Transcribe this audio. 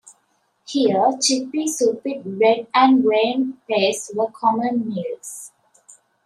Here, chickpea soup with bread and grain paste were common meals.